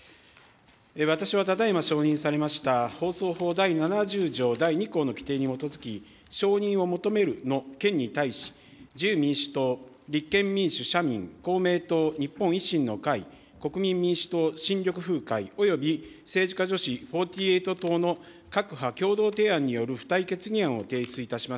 私はただいま承認されました、放送法第７０条第２項の規定に基づき、承認を求めるの件に対し、自由民主党、立憲民主、社民、公明党、日本維新の会、国民民主党・新緑風会および政治家女子４８党の各派共同提案による付帯決議案を提出いたします。